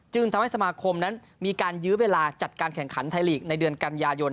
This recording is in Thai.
ทำให้สมาคมนั้นมีการยื้อเวลาจัดการแข่งขันไทยลีกในเดือนกันยายน